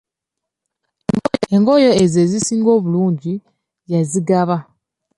Engoye ezo ezisinga obungi yazigaba.